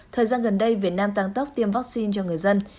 thời gian gần đây việt nam tăng tốc tiêm vaccine cho người dân